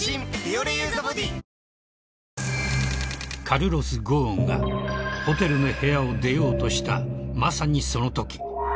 ［カルロス・ゴーンがホテルの部屋を出ようとしたまさにそのとき］